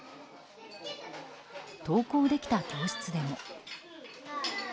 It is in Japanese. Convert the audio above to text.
登校できた教室でも。